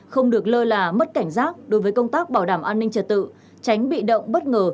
không được lơ là mất cảnh giác đối với công tác bảo đảm an ninh trật tự tránh bị động bất ngờ